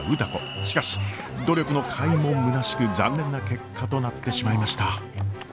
しかし努力のかいもむなしく残念な結果となってしまいました。